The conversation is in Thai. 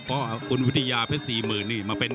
เพราะว่าฮุนวิทยาเพชรสี่หมื่นมาเป็น